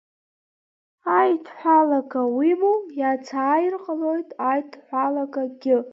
Аидҳәалага -уимоу иацааир ҟалоит аидҳәалага -гьы.